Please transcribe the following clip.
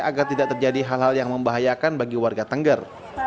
agar tidak terjadi hal hal yang membahayakan bagi warga tengger